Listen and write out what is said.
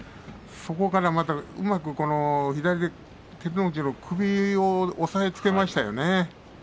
そこからまたうまく左で照ノ富士の首を押さえつけましたよね。